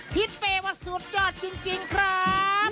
พิษไปว่าสูบจอดจริงครับ